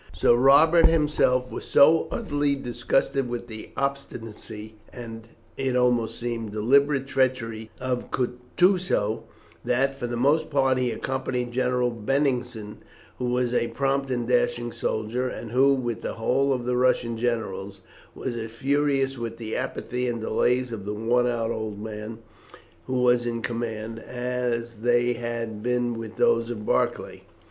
Sir Robert himself was so utterly disgusted with the obstinacy and, it almost seemed, deliberate treachery of Kutusow that, for the most part, he accompanied General Benningsen, who was a prompt and dashing soldier, and who, with the whole of the Russian generals, was as furious with the apathy and delays of the worn out old man who was in command, as they had been with those of Barclay.